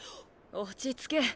落ち着け。